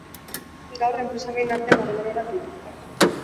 Gaur, enpresa bien artean harreman onak dituzte.